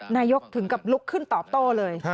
นายกถึงกับลุกขึ้นตอบโต้เลย